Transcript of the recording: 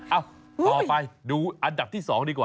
ต่อไปดูอันดับที่๒ดีกว่า